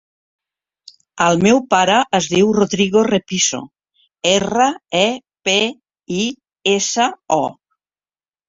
El meu pare es diu Rodrigo Repiso: erra, e, pe, i, essa, o.